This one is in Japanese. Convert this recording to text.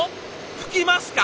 吹きますか！？